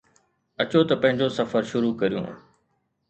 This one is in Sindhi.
اچو ته پنهنجو سفر شروع ڪريون